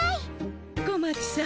小町さん